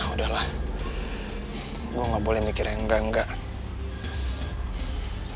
udah lah gue gak boleh mikir yang enggak enggak